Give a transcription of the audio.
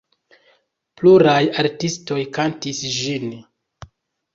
Pluraj artistoj kantis ĝin.